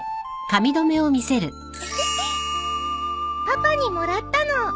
パパにもらったの。